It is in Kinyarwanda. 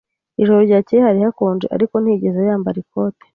Ijoro ryakeye hari hakonje, ariko ntiyigeze yambara ikote.